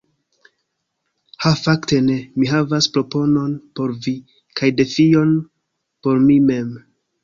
Ha fakte ne! Mi havas proponon por vi, kaj defion por mi mem.